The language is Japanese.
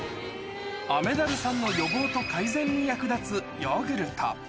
雨ダルさんの予防と改善に役立つヨーグルト。